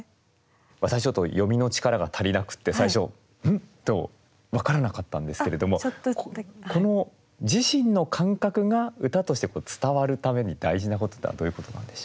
私ちょっと読みの力が足りなくって最初「ん？」と分からなかったんですけれどもこの自身の感覚が歌として伝わるために大事なことっていうのはどういうことなんでしょうか。